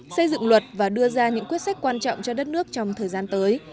xây dựng luật và đưa ra những quyết sách quan trọng cho đất nước trong thời gian tới